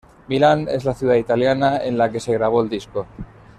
Milán es la ciudad italiana en la que se grabó el disco.